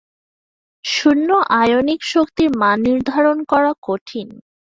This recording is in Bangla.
শূন্য আয়নিক শক্তির মান নির্ধারণ করা কঠিন।